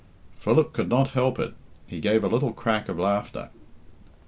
Philip could not help it he gave a little crack of laughter.